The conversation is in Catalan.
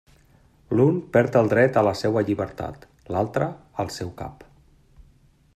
L'un perd el dret a la seua llibertat, l'altre al seu cap.